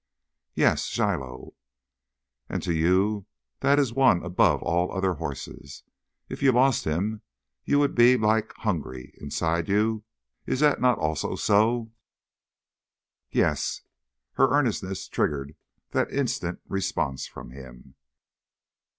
"Yes. Shiloh ..." "And to you that one is above all other horses. If you lost him, you would be—like hungry ... inside you, is that not also so?" "Yes!" Her earnestness triggered that instant response from him.